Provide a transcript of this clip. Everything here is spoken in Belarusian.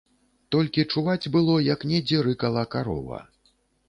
Толькі чуваць было, як недзе рыкала карова.